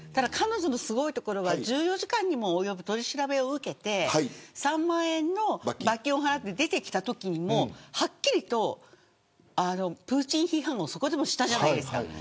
彼女のすごいところは１４時間にも及ぶ取り調べを受けて３万円の罰金を払って出てきたときにもはっきりと、プーチン批判をそこでもしたじゃないですか。